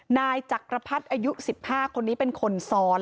นายจักรพรรดิอายุ๑๕คนนี้เป็นคนซ้อน